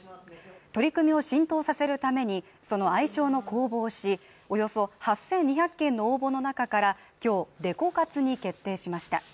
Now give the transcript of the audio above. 取り組みを浸透させるために、その愛称の公募をしおよそ８２００件の応募の中から、今日デコ活に決定しました。